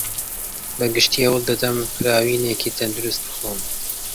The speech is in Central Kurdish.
بەگشتی هەوڵدەدەم فراوینێکی تەندروست بخۆم.